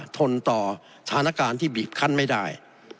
ทนต่อสถานการณ์ที่บีบขั้นไม่ได้